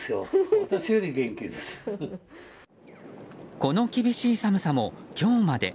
この厳しい寒さも今日まで。